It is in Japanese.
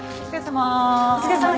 お疲れさま。